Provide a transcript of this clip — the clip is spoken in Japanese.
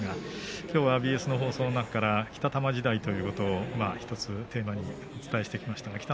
きょうはＢＳの放送の中から北玉時代ということをテーマにお伝えしてまいりました。